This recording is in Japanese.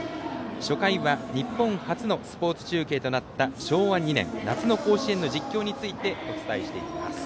初回は、日本初のスポーツ中継となった夏の甲子園の実況についてお伝えしていきます。